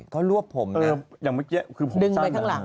ตลกไปข้างหลัง